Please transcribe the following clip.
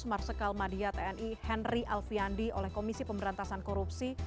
marsikal madia tni henry alfiandi oleh komisi pemberantasan korupsi